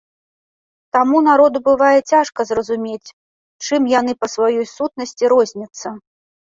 Таму народу бывае цяжка зразумець, чым яны па сваёй сутнасці розняцца.